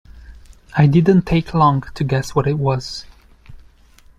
I didn’t take long to guess what it was.